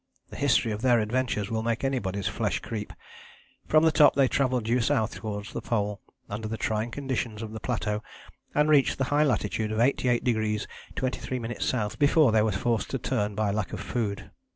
The history of their adventures will make anybody's flesh creep. From the top they travelled due south toward the Pole under the trying conditions of the plateau and reached the high latitude of 88° 23´ S. before they were forced to turn by lack of food.